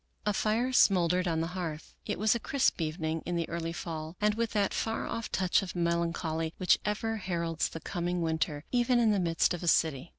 A fire smoldered on the hearth. It was a crisp evening' in the early fall, and with that far off touch of melancholy which ever heralds the coming winter, even in the midst of a city.